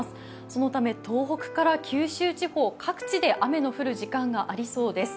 そのため東北から九州地方、各地で雨の降る時間帯がありそうです。